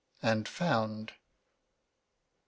AND FOUND. Mr.